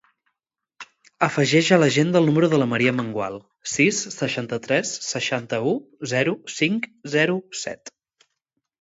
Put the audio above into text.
Afegeix a l'agenda el número de la Maria Amengual: sis, seixanta-tres, seixanta-u, zero, cinc, zero, set.